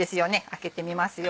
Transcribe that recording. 開けてみますよ。